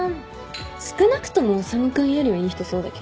少なくとも修君よりはいい人そうだけど。